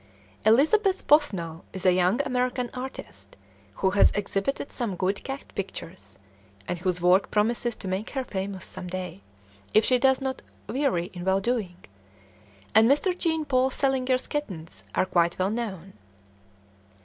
Elizabeth Bonsall is a young American artist who has exhibited some good cat pictures, and whose work promises to make her famous some day, if she does not "weary in well doing"; and Mr. Jean Paul Selinger's "Kittens" are quite well known.